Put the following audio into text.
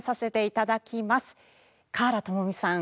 華原朋美さん